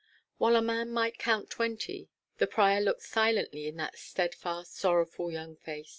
While a man might count twenty, the prior looked silently in that steadfast sorrowful young face.